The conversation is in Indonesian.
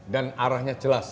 dan arahnya jelas